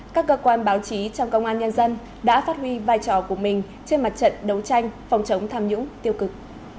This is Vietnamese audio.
các cơ quan báo chí trong công an nhân dân đã phát huy vai trò của mình trên mặt trận đấu tranh phòng chống tham nhũng tiêu cực